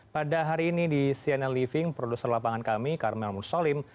pada hari ini di cnn living produser lapangan kami karmel mursalim